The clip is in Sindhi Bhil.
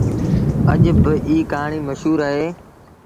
اڄ با ايٚ ڪهآڻيٚ مشهور اهي۔